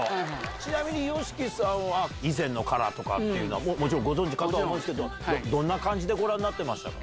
ちなみにＹＯＳＨＩＫＩさんは以前のＫＡＲＡとかってもちろん、ご存じだと思いますけど、どんな感じでご覧になってましたか？